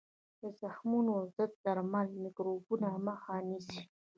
د زخمونو ضد درمل د میکروبونو مخه نیسي.